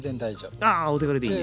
ああお手軽でいいね。